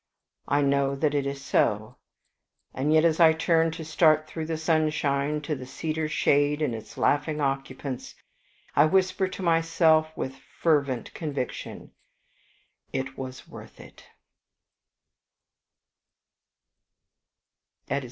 I know that that is so; and yet as I turn to start through the sunshine to the cedar shade and its laughing occupants, I whisper to myself with fervent conviction, "It was worth it."